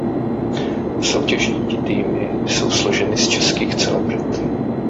Soutěžní týmy jsou složeny z českých celebrit.